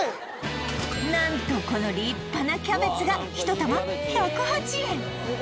何とこの立派なキャベツが１玉１０８円